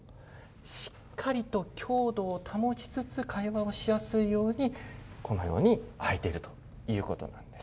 しっかりと強度を保ちつつ、会話をしやすいように、このように開いているということなんです。